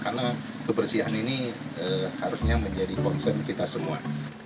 karena kebersihan ini harusnya menjadi concern kita semua